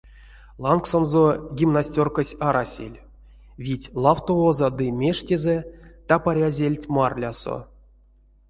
Лангсонзо гимнастёркась арасель, вить лавтовозо ды мештезэ тапарязельть марлясо.